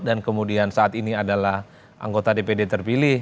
dan kemudian saat ini adalah anggota dpd terpilih